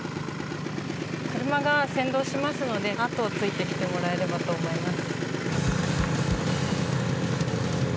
車が先導しますので後をついてきてもらえればと思います。